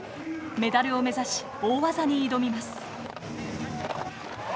メダルを目指し、大技に挑みます。